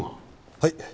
はい。